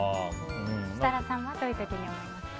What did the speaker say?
設楽さんはどういう時に思いました？